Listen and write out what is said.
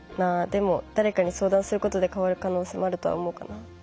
でも、誰かに相談することで変わる可能性もあるかな。